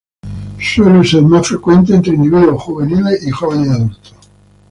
Suele ser más frecuente entre individuos juveniles y jóvenes adultos.